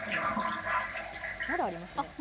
まだありますね。